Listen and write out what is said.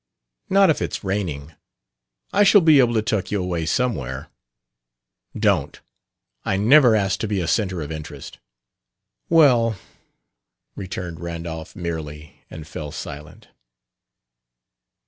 "Not if it's raining. I shall be able to tuck you away somewhere." "Don't. I never asked to be a centre of interest." "Well," returned Randolph merely, and fell silent.